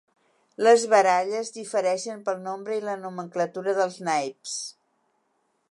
Les baralles difereixen pel nombre i la nomenclatura dels naips.